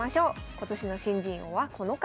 今年の新人王はこの方。